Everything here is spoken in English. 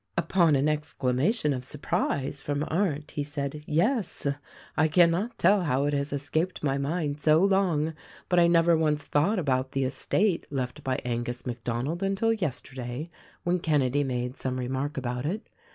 Upon an exclamation of surprise from Arndt he said, "Yes : I cannot tell how it has escaped my mind so long ; but I never once thought about the estate left by Angus MacDonald until yesterday, when Kenedy made some remark about it.